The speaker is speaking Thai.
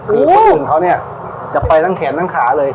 คือปุ่นหนึ่งตัวเนี่ยจะไปทั้งขนทั้งขาเลย